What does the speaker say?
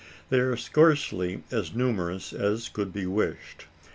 They are scarcely as numerous as could be wished.